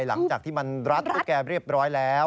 หลังจากที่มันรัดตุ๊กแกเรียบร้อยแล้ว